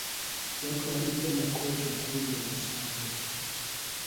Yatwaliddwa mu kkooti okuwulira omusango.